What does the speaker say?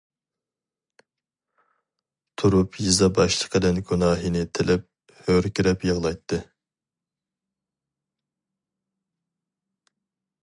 تۇرۇپ يېزا باشلىقىدىن گۇناھىنى تىلەپ ھۆركىرەپ يىغلايتتى.